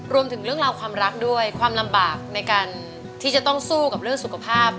เรื่องราวความรักด้วยความลำบากในการที่จะต้องสู้กับเรื่องสุขภาพ